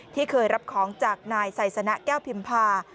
ที่เคยรับของจากนายไซสนะแก้วพิมพา